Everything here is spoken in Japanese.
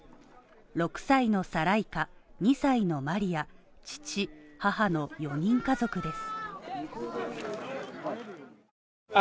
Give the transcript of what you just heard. ６歳のサライカ、２歳のマリア、父、母の４人家族です。